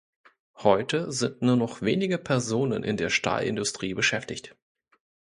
Heute sind nur noch wenige Personen in der Stahlindustrie beschäftigt.